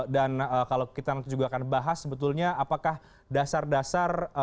dan kalau kita nanti juga akan bahas sebetulnya apakah dasar dasar